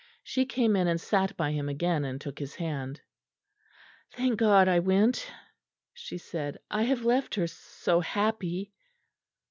She came in, and sat by him again and took his hand. "Thank God I went," she said. "I have left her so happy."